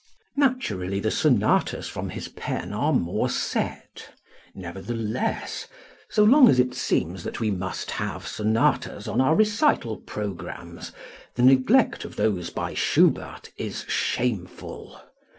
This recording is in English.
Naturally, the sonatas from his pen are more set. Nevertheless, so long as it seems that we must have sonatas on our recital programs, the neglect of those by Schubert is shameful.